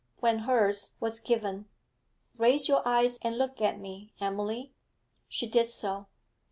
When hers was given: 'Raise your eyes and look at me, Emily.' She did so.